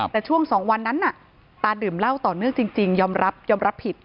แต่ช่วง๒วันนั้นตาดื่มเหล้าต่อเนื่องจริงยอมรับยอมรับผิด